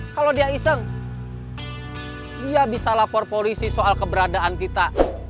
kalau dia iseng dia bisa lapor polisi soal keberadaan kita